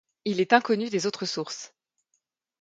Il est inconnu des autres sources.